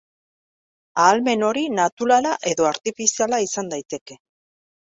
Ahalmen hori naturala edo artifiziala izan daiteke.